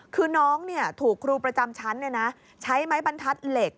คือน้องถูกครูประจำชั้นใช้ไม้บรรทัดเหล็ก